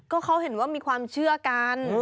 ก็เขาเห็นว่ามีความเชื่อกัน